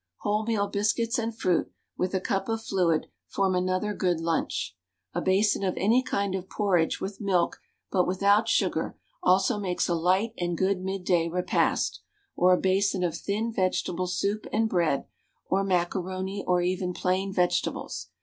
Wholemeal biscuits and fruit, with a cup of fluid, form another good lunch. A basin of any kind of porridge with milk, but without sugar, also makes a light and good midday repast; or a basin of thin vegetable soup and bread, or macaroni, or even plain vegetables.